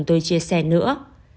tôi chia sẻ nữa